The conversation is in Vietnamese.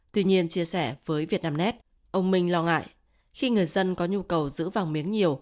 tuy nhiên chia sẻ với vietnamnet ông minh lo ngại khi người dân có nhu cầu giữ vàng miếng nhiều